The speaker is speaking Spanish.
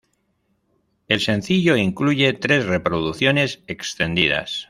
El sencillo incluye tres reproducciones extendidas.